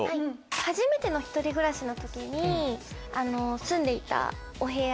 初めての１人暮らしの時に住んでいたお部屋で。